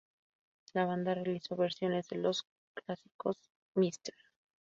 La banda realizó versiones de los clásicos "Mr.